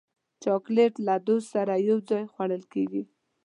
چاکلېټ له دوست سره یو ځای خوړل کېږي.